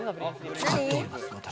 使っております、私。